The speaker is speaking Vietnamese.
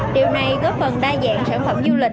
điều này góp phần đa dạng sản phẩm du lịch